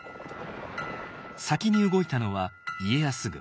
先に動いたのは家康軍。